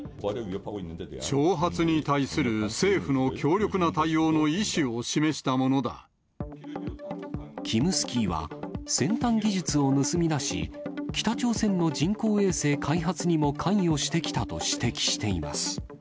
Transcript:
挑発に対する政府の強力な対キムスキーは、先端技術を盗み出し、北朝鮮の人工衛星開発にも関与してきたと指摘しています。